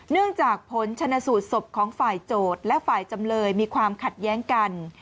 จากผลชนะสูตรศพของฝ่ายโจทย์และฝ่ายจำเลยมีความขัดแย้งกัน